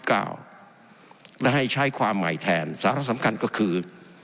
และให้ใช้ความใหม่แทนสาระสำคัญก็คือ